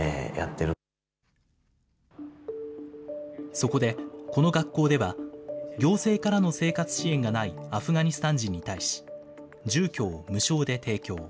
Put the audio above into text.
そこで、この学校では行政からの生活支援がないアフガニスタン人に対し、住居を無償で提供。